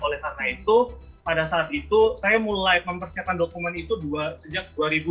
oleh karena itu pada saat itu saya mulai mempersiapkan dokumen itu sejak dua ribu dua puluh